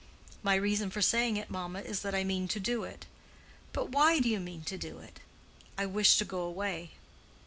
"My reason for saying it, mamma, is that I mean to do it." "But why do you mean to do it?" "I wish to go away."